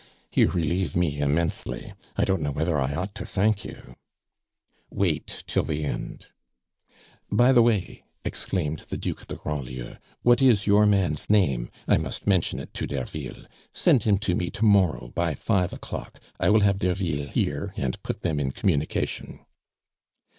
"You relieve me immensely. I don't know whether I ought to thank you." "Wait till the end." "By the way," exclaimed the Duc de Grandlieu, "what is your man's name? I must mention it to Derville. Send him to me to morrow by five o'clock; I will have Derville here and put them in communication."